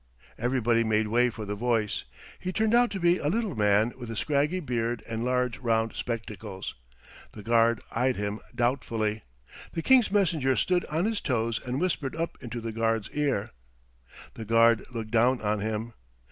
Everybody made way for the voice. He turned out to be a little man with a scraggy beard and large round spectacles. The guard eyed him doubtfully. The King's messenger stood on his toes and whispered up into the guard's ear. The guard looked down on him.